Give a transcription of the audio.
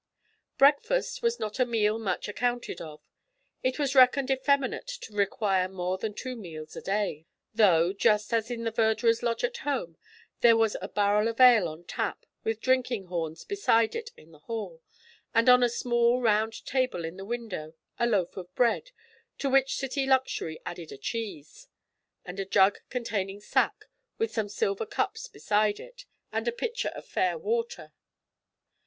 Breakfast was not a meal much accounted of. It was reckoned effeminate to require more than two meals a day, though, just as in the verdurer's lodge at home, there was a barrel of ale on tap with drinking horns beside it in the hall, and on a small round table in the window a loaf of bread, to which city luxury added a cheese, and a jug containing sack, with some silver cups beside it, and a pitcher of fair water.